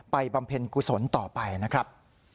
บำเพ็ญกุศลต่อไปนะครับ